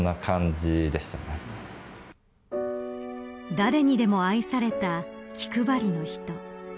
誰にでも愛された気配りの人。